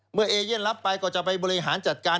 เอเย่นรับไปก็จะไปบริหารจัดการ